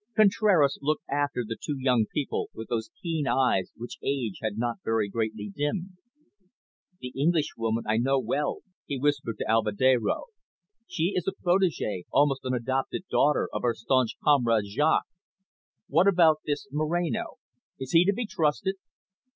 Contraras looked after the two young people with those keen eyes which age had not very greatly dimmed. "The Englishwoman I know well," he whispered to Alvedero. "She is a protegee, almost an adopted daughter, of our staunch comrade Jaques. What about this Moreno? Is he to be trusted?"